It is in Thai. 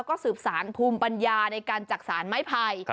ก็สืบสารภูมิปัญญาในการจักษานไม้ไผ่